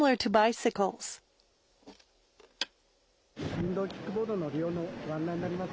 電動キックボードの利用のご案内になります。